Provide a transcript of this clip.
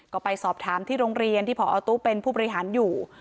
ก็ไปสอบถามที่โรงเรียนที่พอตู้เป็นผู้บริหารอยู่